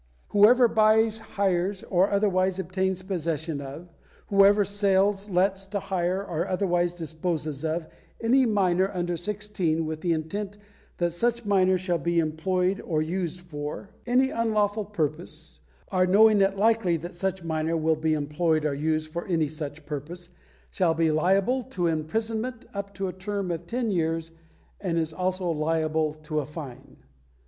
"Whoever buys hires or otherwise obtains possession of, whoever sells lets to hire or otherwise disposes of any minor under sixteen with the intent that such minor shall be employed or used for ... any unlawful purpose or knowing it likely that such minor will be employed or used for any such purpose shall be liable to imprisonment up to a term of ten years and is also liable to a fine."